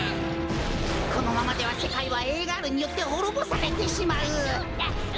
このままではせかいはＡガールによってほろぼされてしまう。